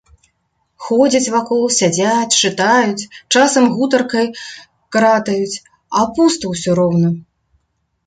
Ходзяць вакол, сядзяць, чытаюць, часам гутаркай кратаюць, а пуста ўсё роўна.